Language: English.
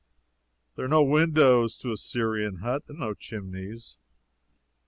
There are no windows to a Syrian hut, and no chimneys.